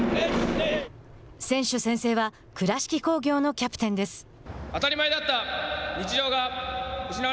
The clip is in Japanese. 選手宣誓は倉敷工業のキャプテンです。